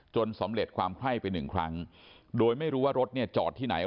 สำเร็จความไข้ไปหนึ่งครั้งโดยไม่รู้ว่ารถเนี่ยจอดที่ไหน